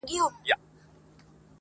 نه معلوم یې چاته لوری نه یې څرک سو٫